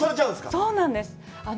そうなんです